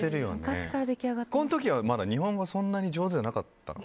この時はまだ日本語そんなに上手じゃなかったの？